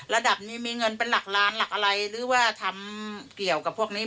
ระดับนี้มีเงินเป็นหลักล้านหลักอะไรหรือว่าทำเกี่ยวกับพวกนี้